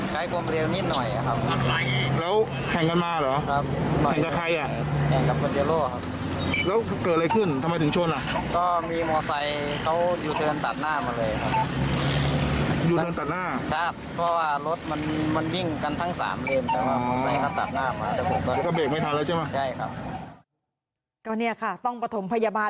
ตอนนี้ค่ะต้องประถมพยาบาลแล้วนะครับ